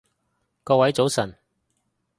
各位早晨